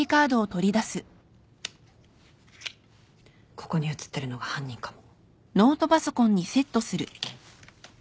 ここに映ってるのが犯人かも。